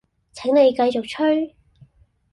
請你繼續吹